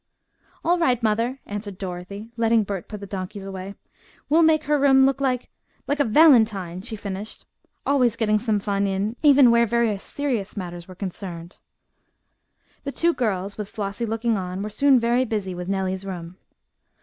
"All right, mother," answered Dorothy, letting Bert put the donkeys away, "we'll make her room look like like a valentine," she finished, always getting some fun in even where very serious matters were concerned. The two girls, with Flossie looking on, were soon very busy with Nellie's room.